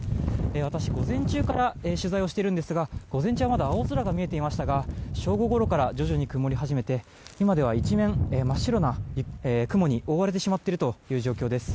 私、午前中から取材をしているんですが午前中はまだ青空が見えていましたが正午ごろから徐々に曇り始めて今では一面、真っ白な雲に覆われてしまっている状況です。